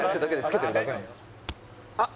「あっ」